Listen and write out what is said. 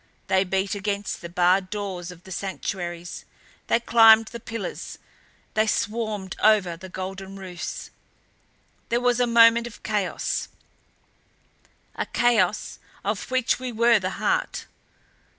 They beat against the barred doors of the sanctuaries; they climbed the pillars; they swarmed over the golden roofs. There was a moment of chaos a chaos of which we were the heart.